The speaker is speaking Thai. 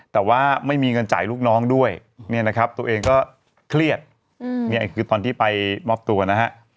แต่ว่าไม่มีเงินจ่ายลูกน้องด้วยเนี่ยนะครับตัวเองก็เครียดนี่คือตอนที่ไปมอบตัวนะฮะ